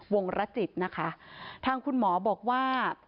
วงรจิตนะคะทางคุณหมอบอกว่า